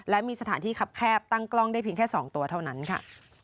และมีสถานที่คับแคบตั้งกล้องได้เพียงแค่๒ตัวเท่านั้นค่ะ